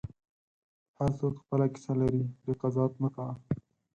هر څوک خپله کیسه لري، پرې قضاوت مه کوه.